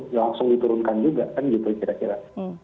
langsung diturunkan juga kan gitu kira kira